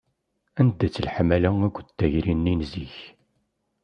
Anda-tt leḥmala akked tayri-nni n zik?